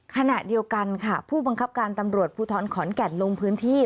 ขณะเดียวกันค่ะผู้บังคับการตำรวจภูทรขอนแก่นลงพื้นที่